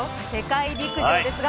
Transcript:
世界陸上ですが